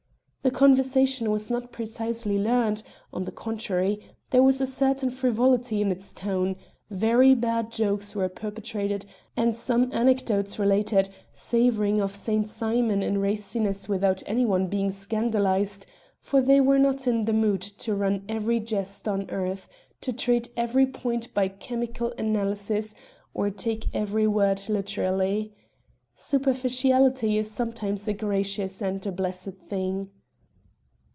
The conversation was not precisely learned; on the contrary, there was a certain frivolity in its tone; very bad jokes were perpetrated and some anecdotes related savoring of Saint Simon in raciness without any one being scandalized, for they were not in the mood to run every jest to earth, to treat every point by chemical analysis, or take every word literally. Superficiality is sometimes a gracious and a blessed thing.